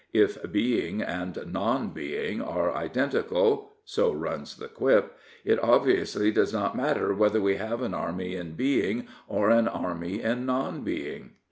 If Being and Non Being are identical — so runs the quip — it obviously does not matter whether we have an Army in Being or an Army in Non Being.